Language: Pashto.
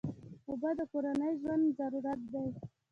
اوبه د کورنۍ ژوند ضرورت دی.